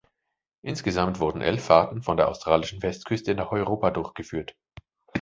Insgesamt wurden elf Fahrten von der australischen Westküste nach Europa durchgeführt.